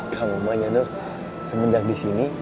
kamu mah nya nur semenjak di sini